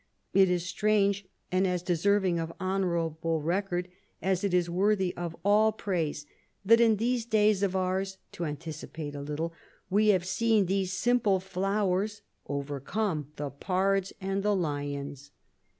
It is strange, and as deserving of honourable record as it is worthy of all praise, that in these days of ours (to anticipate a little), we have seen these simple flowers overcome the pards and lions.